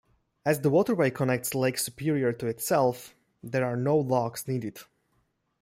As the waterway connects Lake Superior to itself, there are no locks needed.